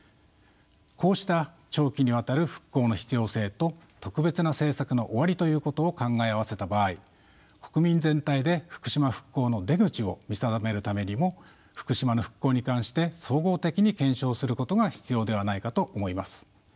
こうした長期にわたる復興の必要性と特別な政策の終わりということを考え合わせた場合国民全体で福島復興の出口を見定めるためにも福島の復興に関して総合的に検証することが必要ではないかと思います。